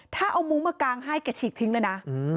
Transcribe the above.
ถ้าเอามุ้งมากางให้แกฉีกทิ้งเลยนะ